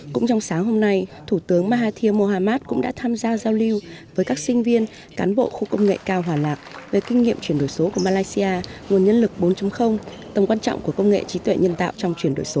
cũng trong sáng hôm nay thủ tướng mahathir mohamad cũng đã tham gia giao lưu với các sinh viên cán bộ khu công nghệ cao hòa lạc về kinh nghiệm chuyển đổi số của malaysia nguồn nhân lực bốn tầm quan trọng của công nghệ trí tuệ nhân tạo trong chuyển đổi số